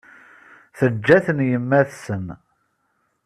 Teǧǧa-ten yemma-tsen.